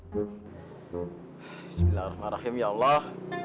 bismillahirrahmanirrahim ya allah